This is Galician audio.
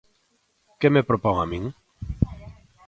¿Que me propón a min?